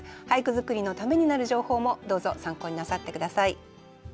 俳句作りのためになる情報もどうぞ参考になさって下さい。